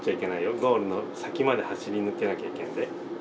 ゴールの先まで走り抜けなきゃいけんで。